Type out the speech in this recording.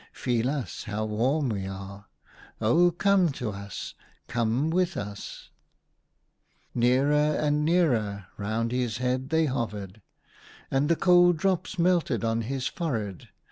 Feel us, how warm we are ! Oh, come to us ! Come with us !" Nearer and nearer round his head they hovered, and the cold drops melted on his forehead.